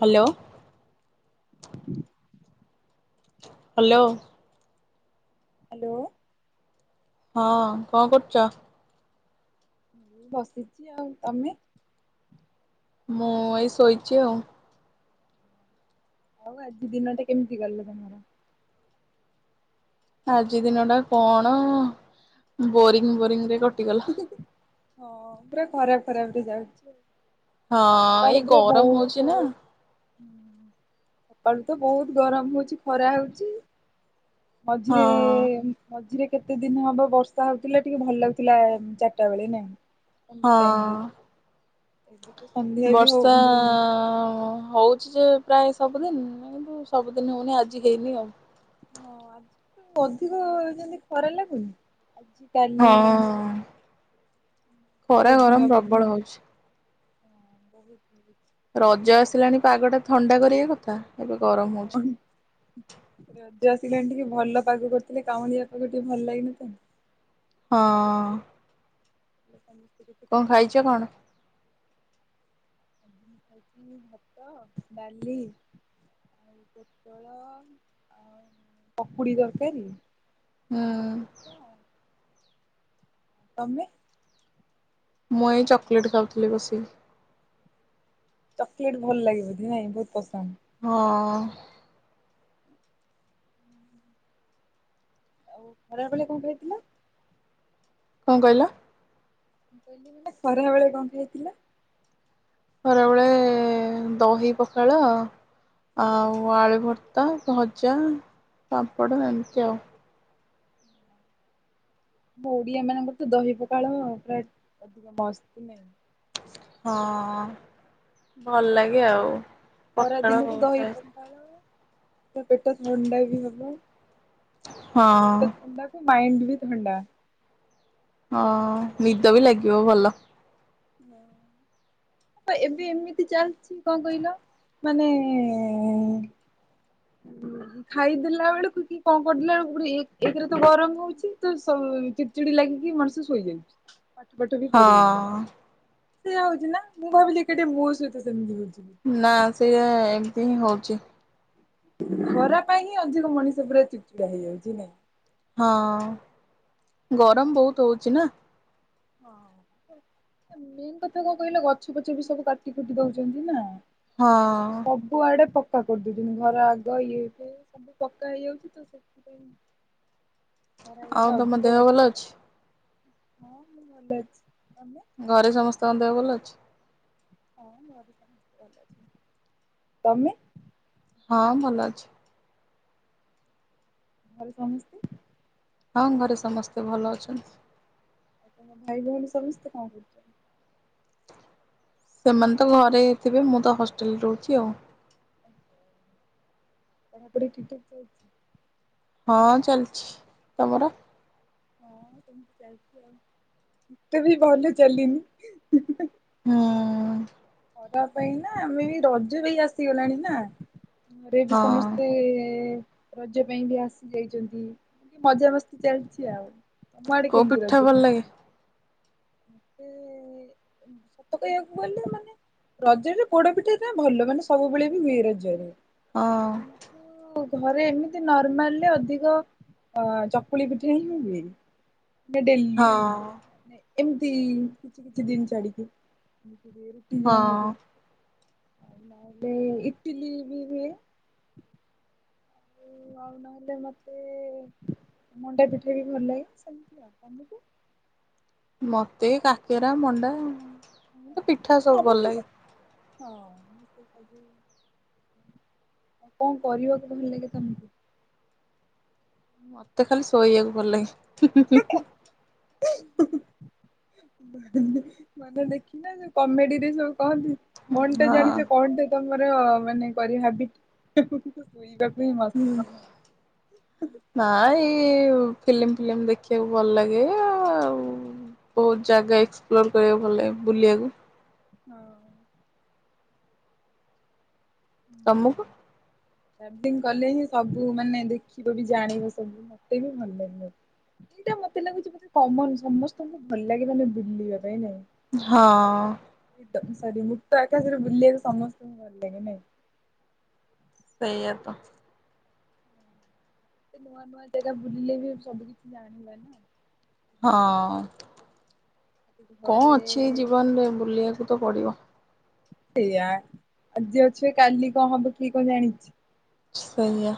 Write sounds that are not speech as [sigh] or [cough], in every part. Hello. Hello. Hello. ହଁ କଣ କରୁଛ? ବସିଛି ଆଉ ତମେ? ମୁଁ ଏଇ ଶୋଇଛି ଆଉ। ହଉ ଆଜି ଦିନଟା କେମିତି ଗଲେ ତମର? ଆଜି ଦିନ ଟା କଣ ବୋରିଂ ବୋରିଂ ରେ କଟିଗଲା। ହଁ ପୁରା ଖରାପ ଖରାପ ରେ ଯାଉଛି। ହଁ ସକାଳୁ ଏଇ ପୁରା ଗରମ ବହୁତ ହଉଛି ନା। ସକାଳୁ ତ ବହୁତ ଗରମ ହଉଛି ଖରା ହଉଛି। ହଁ ମଝିରେ ମଝିରେ କେତେ ଦିନ ହବ ବର୍ଷା ହଉଥିଲା ଟିକେ ଭଲ ଲାଗୁଥିଲା ଚାରିଟା ବେଳେ ନାଇ? ସଂଧ୍ୟ ହଁ ଟାଇମରେ ଏବେ ତ ବି ହଉ ବର୍ଷା ଯୋଉ ହଉ ଯେ ପ୍ରାୟ ସବୁଦିନ କିନ୍ତୁ ସବୁଦିନ ହଉନି ଆଜି ହେଇନି ଆଉ। ହଁ ଆଜି ଅଧିକ ଯେମତି ଖରା ଲାଗୁନି? [inaudible] ହଁ ଖରା ଗରମ ପ୍ରବଳ ହଉଛି। ହଁ ବହୁତ। ରଜ ଆସିଲାଣି ପାଗଟା ଥଣ୍ଡା କରିଆ କଥା। ଏବେ ଗରମ ହ ହ, ରଜ ଆସିଲାଣି ଟିକେ ଭଲ ପାଗ କରୁଥିଲେ କାଉଁଡିଆ ପାଗ ଟିକେ ଭଲ ଲାଗି ନ ଥାନ୍ତା। ହଁ ଲ [unintelligible] କଂ ଖାଇଛ କଣ? ଖାଇଚି ଭାତ ଡାଲି - - ଆଉ ପୋଟଳ ଆଉ ପକୁଡି ଦରକାରୀ - - ହୁଁ ଶାଗ ଭଜା। ତମେ? ମୁଁ ଏଇ ଚକୋଲେଟ୍ ଖାଉଥିଲି ବସି କି। ଚକୋଲେଟ୍ ଭଲ ଲାଗିବ ନାଇଁ ବହୁତ ପସନ୍ଦ। ହଁ ଖରାବେଳେ କଂ ଖାଇଥିଲ? କଁ କହିଲ? ମୁଁ ଖରା ବେଳେ କଁ ଖାଇଥିଲ? ଖରାବେଳେ ଦହି ପଖାଳ ଆଉ ଆମ ଆଳୁ ଭର୍ ତା ଭଜା, ପାମ୍ପଡ଼ ଏମିତି ଆଉ। ଓଡ଼ିଆ ମାନଙ୍କର ତ ଦହି ପଖାଳ ପୁରା ମସ୍ତ୍ ନାଇଁ। ହଁ, ଭଲ ଲାଗେ ଆଉ। ଖରା ପଖାଳ ଦିନକୁ ବହୁତ ଦହି ଖାଏ। ପଖାଳ ପେଟ ଥଣ୍ଡା ବି ହବ। ପେଟ ହଁ ଥଣ୍ଡା ମାଇଣ୍ଡ ବି ଥଣ୍ଡା। ହଁ, ନିଦ ବି ଲାଗିବ ଭଲ। ହିଁ ହ ଏବେ ଏମିତି ଚାଲିଛି କଣ କହିଲ? ମାନେ [inaudible] ଖାଇଦେଲା ବେଳକୁ କି କଂ କରିଦେଲା ବେଳେକୁ ଏକରେ ତ ଗରମ ହଉଚି ତ ଚିଡ଼ି ଲାଗିକି ମଣିଷ ଶୋଇଯାଉଚି। ପାଠ ପାଠ ବି ହଁ ପଢି ହଉନି। ସେଇୟା ହଉଚି ନା ମୁଁ ଭାବିଲି ଏକା ଟିଆ ମୋ ସହିତ ସେମିତି ହଉଚି। ନା ସିଏ ଏମିତି ହିଁ ହଉଚି। ଖରା ପାଇଁ ହିଁ ଅଧିକ ମଣିଷ ପୁରା ଚିଡିଚିଡା ହେଇଯାଉଚି ନାଇଁ। ହଁ, ଗରମ ବହୁତ ହଉଚି ନା। ଓ ମେନ୍ କଥା କଣ କହିଲ ଗଛ ପଛ ବି ସବୁ କାଟି କୁଟି ଦଉଛନ୍ତି ନା। ହଁ ସ କୁଆଡେ ପକ୍କା କରିଦଉଚନ୍ତି। ଘର ଆଗ ଇଏ ହେଇ ସବୁ ପକ୍କା ହେଇଯାଉଚି। ତ ସେଥି [inaudible] ଆଉ ତମ ଦେହ ଭଲ ଅଛି? ହଁ। [unintelligible] ଘରେ ସମସ୍ତଙ୍କ ଦେହ ଭଲ ଅଛି? ତମେ? ହଁ ଭଲ ଅଛି। ଘରେ ସମସ୍ତେ - - ହଁ ଘରେ ସମସ୍ତେ ଭଲ ଅଛନ୍ତି। ଆଉ ଭାଇ ଭଉଣୀ ସମସ୍ତେ କଁ କରୁଚନ୍ତି? ସେମାନେ ତ ଘରେ ଥିବେ, ମୁଁ ତ ହଷ୍ଟେଲରେ ରହୁଚି ଆଉ। ପଢ଼ା ପଢ଼ି ଠିକ୍ ଠାକ୍ ଚାଲିଚି। ହଁ ଚାଲିଛି ତମର? ହଁ ସେମତି ଯାଇଛି ଆଉ ଏତେ ବି ଭଲ ଚାଲିନି। ହୁଁ। ଙ୍କପାଇଁ ନା ଆମେ ବି ରଜ ବି ଆସିଗଲାଣି ନା। ଘରେ ବି ହଁ ସମସ୍ତେ ରଜ ପାଇଁ ବି ଆସି ଯାଇଛନ୍ତି ମଜା ମସ୍ତି ଚାଲିଛି ଆଉ। ତମଆଡେ କୋଉ କେମିତି ପିଠା ରଜ ଭଲ ପାଇଁ? ଲାଗେ ମତେ ସତ କହିବାକୁ ଗଲେ ମାନେ ରଜରେ ପୋଡପିଠା ଟା ଭଲ ମାନେ ସବୁବେଳେ ବି ହୁଏ ରଜରେ। ହଁ। କିନ୍ତୁ ଘରେ ଏମିତି ନର୍ମାଲରେ ଅଧିକ ହଁ ଚକୁଳି ପିଠା ହିଁ ହୁଏ ହଁ ଡେଲି ଏମିତି କିଛି କିଛି ଦିନି ଛାଡିକି ହଁ ରୁଟି ଆଉ ନହେଲେ ଇଟିଲି ବି ହୁଏ। ଆଉ ନହେଲେ ମୋତେ ମଣ୍ଡା ପିଠା ବି ଭଲ ଲାଗେ ସେମିତି ଆଉ ତମକୁ? ମତେ କାକେରା ମଣ୍ଡା ମତେ ପିଠା ସବୁ ଭଲ ଲାଗେ। ହଁ ମୁ କଣ କରିବାକୁ ଭଲ ଲାଗେ ତମକୁ? ମତେ ଖାଲି ଶୋଇବାକୁ ଭଲ ଲାଗେ। [inaudible] ମାନେ ମାନେ ଦେଖିଚ ନା କମେଡିରେ ସବୁ କହନ୍ତି। କଣ ଟେ ଜାଣିଛ ହଁ କଣ ଟେ ତମର ମାନେ କରି ହାବିଟ ଶୋଇବାକୁ ହିଁ ମସ୍ତ ଲାଗେ ନା। ନା ଏଇ ଫିଲ୍ମ ଫିଲ୍ମ ଦେଖିବାକୁ ଭଲ ଲାଗେ ଆଉ। ବୋହୁତ ଜାଗା ଏକ୍ସପ୍ଲୋର କରିବାକୁ ଭଲ ଲାଗେ ବୁଲିବାକୁ ହଁ। ତମକୁ? ଚାଟିଙ୍ଗ କଲେ ହିଁ ସବୁ ମାନେ ଦେଖିବ ବି ଜାଣିବ ସବୁ ମତେ ବି ଭଲ ଲାଗିବ। ଏଇଟା ମତେ ଲାଗୁଛି ଗୋଟେ କମନ ସମସ୍ତଙ୍କୁ ଭଲ ଲାଗେ ମାନେ ବୁଲିବା ପାଇଁ ନାଇଁ। ହଁ। ସରି ମୁକ୍ତ ଆକାଶରେ ବୁଲିବାକୁ ସମସ୍ତଙ୍କୁ ଭଲ ଲାଗେ ନାଇଁ। ସେଇଆ ତ। ଏତେ ନୂଆ ନୂଆ ଜାଗା ବୁଲିଲେ ବି ସବୁ କିଛି ଜାଣିବା ନା? ହଁ କଁ ଘରେ ଅଛି ଜୀବନରେ ବୁଲିବାକୁ ତ ପଡିବ। ସେଇଆ ଆଜି ଅଛେ କାଲି କଣ ହବ କିଏ କଣ ଜାଣିଛି। ସେଇୟା।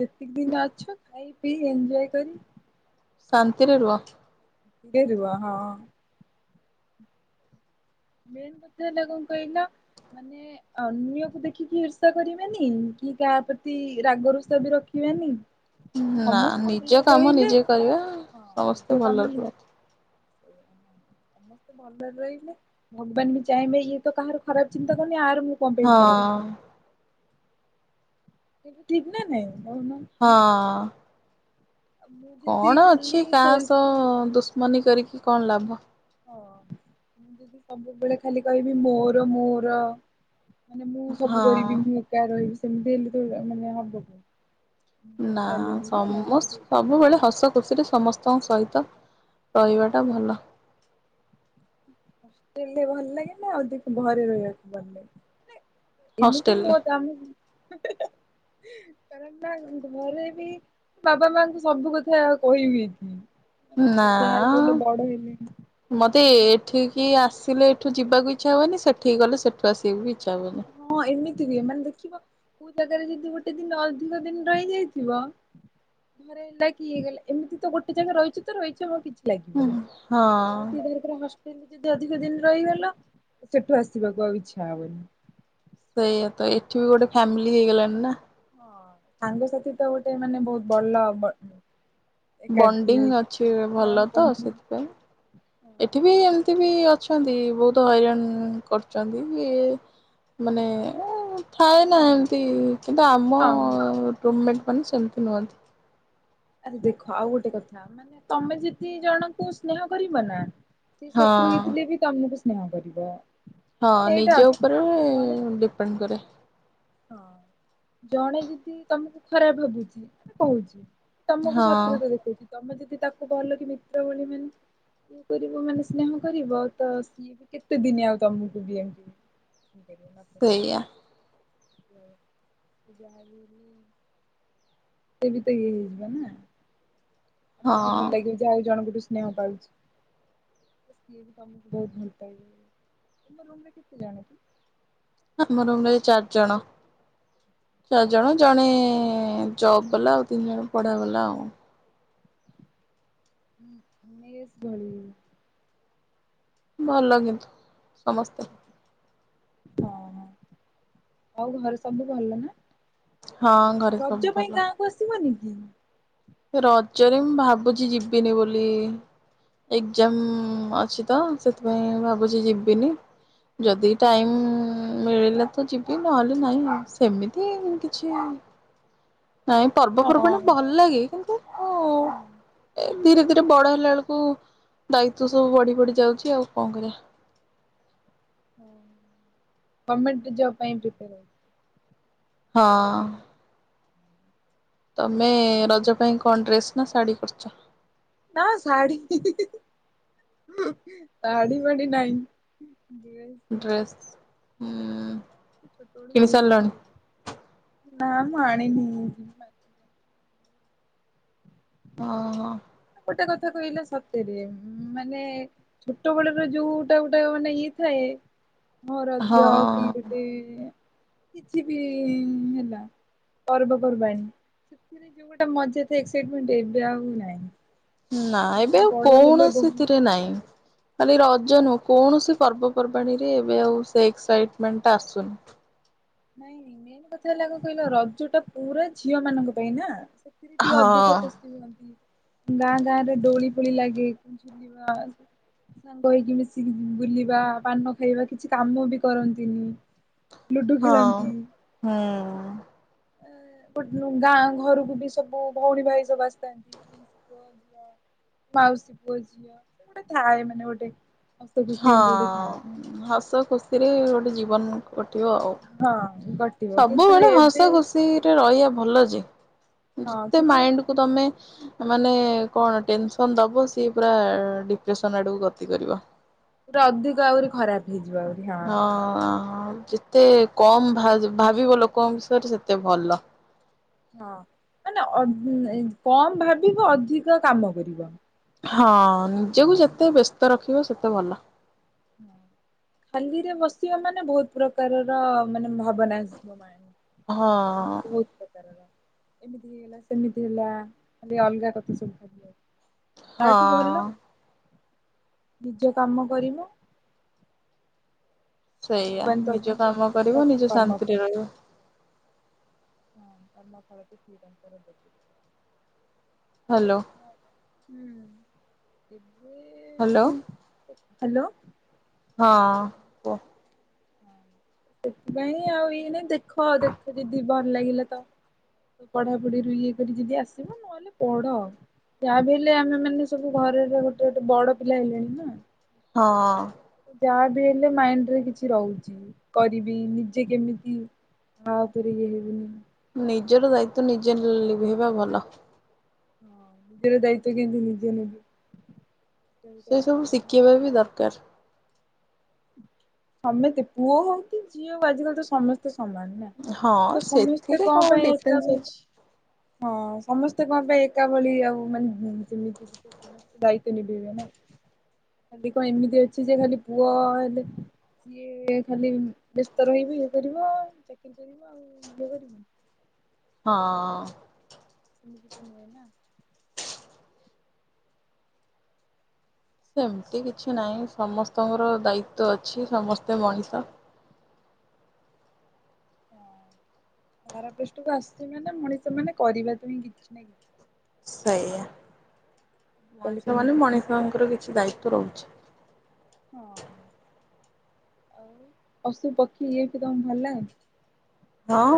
ଯେତିକି ଦିନ ଅଛୁ ଖାଇ ପିଇ ଏଞ୍ଜୟ କରି ଶାନ୍ତିରେ ରୁହ। ନ୍ତିରେ ରୁହ ହଁ। ମେନ୍ କଥା ହେଲା କଣ କହିଲ ମାନେ ଅନ୍ୟକୁ ଦେଖିକି ଇର୍ଷା କରିବାନି କି କାହା ପ୍ରତି ରାଗରୁଷା ବି ରଖିବାନି। ନା ସମସ୍ତେ ନିଜ ଭଲ କାମ ରହିଲେ ନିଜେ କରିବା ହଁ ସମସ୍ତେ ନିଜ ଭଲରେ କାମ ନିଜେ ରୁହନ୍ତି। ସେ ହ [unintelligible] ସମସ୍ତେ ଭଲରେ ରହିଲେ ଭଗବାନ ବି ଚାହିଁବେ ଇଏ ତ କାହାର ଖରାପ ଚିନ୍ତା କରନି ଆର ମୁଁ କଣ ପାଇଁ ଖରାପ ହଁ କରିବି। ଠିକ୍ ନା ନାହିଁ କୋହୁନ? ହଁ। ମୁଁ ଯଦି କଣ ଖାଲି ଅଛି କାହା ସେଲ୍ଫ ସହ ଦୁଶମନୀ କରିକି କଣ ଲାଭ। ହଁ ମୁଁ ଯଦି ସବୁବେଳେ ଖାଲି କହିବି ମୋର ମୋର ମାନେ ମୁଁ ସବୁ କରିବି ହଁ। ମୁଁ ଏକା ରହିବି ସେମିତି ହେଲେ ଥୋ ମାନେ ହବ କି? ନା ଚାଲିନି ନା ସମ ଏକା ଦେ ସବୁବେଳେ ହସ ଖୁସିରେ ସମସ୍ତଙ୍କ ସହିତ ରହିବାଟା ଭଲ। ବୁଲିଲେ ଭଲ ଲାଗେ ନା ଅଧିକ ଘରେ ରହିବାକୁ ଭଲ ଲାଗେ? ଏମିତି ହଷ୍ଟେଲରେ ନୁହ ତମ। କାରଣ ତାଙ୍କ ଘରେ ବି ବାବା ମାଙ୍କୁ ସବୁ କଥା କହିବି। ନା ମାନେ ଯାହାବି ହେଲେ ବଡ ହେଲେଣି। ମତେ କିନ୍ତୁ ଏଠିକି ଆସିଲେ ଏଠୁ ଯିବାକୁ ଇଚ୍ଛା ହୁଏନି, ସେଠିକି ଗଲେ ସେଠୁ ଆସିବାକୁ ବି ଇଚ୍ଛା ହୁଏନି। ହଁ ଏମିତି ବି ମାନେ ଦେଖିବ କୋଉ ଜାଗାରେ ଯଦି ଗୋଟେ ଦିନ ଅଧିକ ଦିନ ରହିଯାଇଥିବ ଘରେ ହେଲା କି ଇଏ ଗଲା ଏମିତି ତ ଗୋଟେ ଜାଗା ରହିଛି ତ ରହିଛି ହଁ କିଛି ହୁଁ ଲାଗିବନି। ହଁ କୋଉଠି ଧର ଥର ହଷ୍ଟେଲରେ ଯଦି ଅଧିକ ଦିନ ରହିଗଲ, ସେଠୁ ଆସିବାକୁ ଆଉ ଇଚ୍ଛା ହବନି। ସେଇଆତ, ଏଠି ବି ଗୋଟେ ଫ୍ୟାମିଲି ହେଇଗଲାଣି ନା। ହଁ, ସାଙ୍ଗସାଥି ତ ଗୋଟେ ମାନେ ବହୁତ ଭଲ ବ ଏକାଠି ବଣ୍ଡିଙ୍ଗ ଅଛି ହଁ ଭଲ ତ ହଁ ସେଥିପାଇଁ। ଏଠି ବି ଏମିତି ବି ଅଛନ୍ତି ବହୁତ ହଇରାଣ କରୁଛନ୍ତି ଇଏ ମାନେ ଥାଏ ନା ହଁ। ଏମତି କିନ୍ତୁ ଆମ ହଁ ରୁମ ମେଟ୍ ମାନେ ସେମିତି ନୁହନ୍ତି। ଦେଖ ଆଉ ଗୋଟେ କଥା ତମେ ଯଦି ଜଣଙ୍କୁ ସ୍ନେହ କରିବ ନା ଶତ୍ରୁ ହଁ ହେଇଥିଲେ ବି ତମକୁ ସ୍ନେହ କରିବ। ହଁ ମାନେ ଏଇଟା ନିଜ ଅଛି ଉପରେ ଜଣେ ଡିପେଣ୍ଡ କରେ। ହଁ ଜଣେ ଯଦି ତମକୁ ଖରାପ ଭାବୁଛି କହୁଛି ତମକୁ ହଁ ଶତ୍ରୁତା ଦେଖୋଉଛି ତମେ ଯଦି ତାକୁ ଭଲ କି ମିତ୍ର ବୋଲି ମାନ ଇଏ କରିବ ମାନେ ସ୍ନେହ କରିବ ତ ସିଏ ବି କେତେ ଦିନ ଆଉ ତମକୁ ବି ଏମିତି [inaudible] ସେଇଆ। ସିଏ ବି ତ ଇଏ ହେଇଥିଲା ନା। ହଁ ତାକୁ ବି ଭଲ ଲାଗିବି ଯେ ଆଉ ଜଣଙ୍କଠୁ ସ୍ନେହ ପାଉଛି। ସିଏ ବି ତମକୁ ବହୁତ ଭଲ ପାଇବ ତମ ରୁମରେ କେତେ ଜଣ କି ଆମ ରୁମ ରେ ଚାରି ଜଣ। ଚାରି ଜଣ ଜଣେ ଜବ ବାଲା ଆଉ ତିନି ଜଣ ପଢା ବାଲା ଆଉ। [inaudible] ଭଲ କିନ୍ତୁ ସମସ୍ତେ। ହଁ ହଁ ଆଉ ଘରେ ସବୁ ଭଲ ନା? ହଁ ଘରେ ସବୁ ରଜ ପାଇଁ ଭଲ। ଗାଁକୁ ଆସିବନି କି? ରଜରେ ମୁଁ ଭାବୁଛି ଯିବିନି ବୋଲି ଏକ୍ଜାମ ଅଛି ତ ସେଥିପାଇଁ ଭାବୁଛି ଯିବିନି ଯଦି ଟାଇମ୍ ମିଳିଲା ତ ଯିବି ନହେଲେ ନାହିଁ ସେମିତି କିଛି ନାଇଁ ହଁ ପର୍ବପର୍ବାଣି ହଁ। ଭଲ ଲାଗେ କିନ୍ତୁ ଉଁ ଏ ଧୀରେ ଧୀରେ ବଡ ହେଲା ବେଳକୁ ଦାୟିତ୍ଵ ସବୁ ବଢି ବଢି ଯାଉଛି ଆଉ କଣ କରିବା। ହଁ ଗର୍ମେଣ୍ଟ ଜବ ପାଇଁ ପ୍ରିୟାର ହଉଛି। ହଁ। ତମେ ରଜ ପାଇଁ କଣ ଡ୍ରେସ୍ ନା ଶାଢ଼ୀ କରିଚ? ନା ଶାଢ଼ୀ ହି ହି ହି ଶାଢ଼ୀ ଫାଢୀ ନାଇଁ ଡ୍ରେସ୍ ହୁଁ [inaudible] ଛୋଟବେଳୁ କିଣି କିଏସେ ସାରିଲଣି? ଶାଢ଼ୀ ନାଁ ମୁଁ ଆଣିନି ଅ ହ ଗୋଟେ କଥା କହିଲା ସତେରେ ମାନେ ଛୋଟ ବେଳର ଯୋଉଟା ଗୋଟା ମାନେ ଇଏ ଥାଏ। ହଁ ରଜ କି ଗୋଟେ କିଛି ବି ହେଲା ପର୍ବପର୍ବାଣି ସେଥିରେ ଯୋଉ ଗୋଟା ମଜା ଥାଏ ଏକ୍ସାଇଟମେଣ୍ଟ ଏବେ ଆଉ ନାହିଁ। ନା କାରଣ ଏବେ ଆଉ ବଡ ହେଲେ କୌଣସି ବହୁ ଥିରେ ନାଇଁ। ଖାଲି ରଜ ନୁହଁ କୌଣସି ପର୍ବପର୍ବାଣି ରେ ଏବେ ଆଉ ସେ ଏକ୍ସାଇଟମେଣ୍ଟ ଟା ଆସୁନି। ନାଇଁ ମେନ୍ କଥା ହେଲା କଣ କହିଲ ରଜ ଟା ପୁରା ଝିଅ ମାନଙ୍କ ପାଇଁ ନା। ସେଥିରେ ଟିକେ ହଁ ଅଧିକ ଖୁସି ହୁଅନ୍ତି ଗାଁ ଗାଁ ରେ ଡୋଳି ଫୋଳି ଲାଗେ ଝୁଲିବା ସାଙ୍ଗ ହେଇକି ମିଶିକି ବୁଲିବା ପାନ ଖାଇବା କିଛି କାମ ବି କରନ୍ତିନି। ଲୋଡୁ ହଁ ହୁଁ। [inaudible] ଗାଁ ଘରକୁ ବି ସବୁ ଭଉଣୀ ଭାଇ ସବୁ ଆସିଥାନ୍ତି ପିଉସି ପୁଅ ମାଉସୀ ପୁଅ ଝିଅ ସେ ଗୋଟେ ଥାଏ ମାନେ ଗୋଟେ ହସ ଖୁସି ହଁ ଏମିତି ଗୋଟେ ଥାଏ ହସ ଖୁସିରେ ଗୋଟେ ଜୀବନ କଟିବ ଆଉ ହଁ କଟିବ କିନ୍ତୁ ସବୁବେଳେ ଏବେ ହସ ଖୁ ଖୁସିରେ ରହିବା ଭଲ ଯେ ହଁ ଯେତେ କିନ୍ତୁ ମାଇଣ୍ଡକୁ ତମେ ମାନେ କଣ ଟେନସନ୍ ଦବ ସିଏ ପୁରା ଡିପ୍ରେସନ ଆଡକୁ ଗତି କରିବ। ପୁରା ଅଧିକ ଆହୁରି ଖରାପ ହେଇଯିବ ଆଉ। ହଁ ଯେତେ କମ୍ ଭାଜ ଭାବିବ ଲୋକଙ୍କ ବିଷୟରେ ସେତେ ଭଲ। ହଁ ମାନେ ଅଧି କମ ଭାବିବ ଅଧିକ କାମ କରିବ। ହଁ ନିଜକୁ ଯେତେ ବ୍ୟସ୍ତ ରଖିବ ସେତେ ଭଲ। ଖାଲିରେ ବସିବା ମାନେ ବୋହୁତ ପ୍ରକାରର ମାନେ ଭାବନା ଆସିବ ମାଇଣ୍ଡି ହଁ ମାନେ ବୋହୁତ ପ୍ରକାରର ଏମିତି ହେଇଗଲା ସେମିତି ହେଲା ଖାଲି ଅଲଗା କଥା ଶୁଣି। [inaudible] ତାଠୁ ଭଲ ହଁ ନିଜ କାମ କରିବ। ସେଇଆ ଭଗବାନ ନିଜ ଦଉଛନ୍ତି କି କାମ ସିଏ ତ କରିବ ନିଜ କର୍ମ ଶାନ୍ତିରେ ଫଳ। ରହିବ। [inaudible] ହାଲୋ। Hello hello. ହଁ। କୁହ ସେଥିପାଇଁ ଆଉ ଇଏ ନାଇଁ ଦେଖ ଆଉ ଦେଖ ଯଦି ଭଲ ଲାଗିଲା ତ। ପଢାପଢିରୁ ଇଏ କରି ଯଦି ଆସିବ ନ ଖାଲି ପଢ଼ ଯାହା ବି ହେଲେ ଆମେ ମାନେ ସବୁ ଘରେର ଗୋଟେ ଗୋଟେ ବଡ ପିଲା ହେଲେଣି ନା। ହଁ। ଯାହା ବି ହେଲେ ମାଇଣ୍ଡିରେ କିଛି ରହୁଚି କରିବି ନିଜେ କେମିତି ମା ପରୀ ଇଏ ହେବିନି। ନିଜର ଦାୟିତ୍ଵ ନିଜେ ଲିଭେଇବା ଭଲ। ହଁ ନିଜର ଦାୟିତ୍ଵ କେନ୍ତି ନିିଜେ ନିଭେ। [inaudible] ସେ ସବୁ ଶିଖେଇବା ବି ଦରକାର। ସମେତେ ପୁଅ ହଉ କି ଯିଏ ହଉ ଆଜିକାଲି ତ ସମସ୍ତେ ସମାନ। ହଁ ତ ସମେସ୍ତେ ସେଥିରେ କଣ ପାଇଁ ଡିଫରେନ୍ସ ଏକାଭ ଅଛି। ହଁ ସମେସ୍ତେ କଣ ପାଇଁ ଏକା ଭଳି ଆଉ ମାନେ ଯେମିତି କି ସମସ୍ତେ ଦାୟିତ୍ଵ ନିଭେଇବେ ନା। ଖାଲି କଣ ଏମିତି ଅଛି ଯେ ଖାଲି ପୁଅ ସିଏ ଖାଲି ବ୍ୟସ୍ତ ରହିବି ଇଏ କରିବ ଚାକିରି କରିବ। [unintelligible] ହଁ ସେମିତି ତ ନୁହେଁ ନା। ସେମିତି କିଛି ନାଇଁ ହଁ ସମସ୍ତଙ୍କର ଦାୟିତ୍ଵ ଅଛି ସମସ୍ତେ ମଣିଷ। ହଁ ଧରା ପୃଷ୍ଠକୁ ଆସିଚେ ମାନେ ମଣିଷ ମାନେ କରିବା ତ ହିଁ କିଛି ନା କିଛି। ସେଇଆ କଲେ ମଣିଷ କେମିତି ମାନେ ହବ ତମେ ମଣିଷଙ୍କର କିଛି ଦାୟିତ୍ଵ ରହୁଚି। ହଁ ଆଉ ପଶୁ ପକ୍ଷୀ ଇଏ ବି ତମକୁ ଭଲ ଲାଗେ? ହଁ।